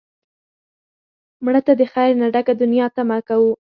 مړه ته د خیر نه ډکه دنیا تمه کوو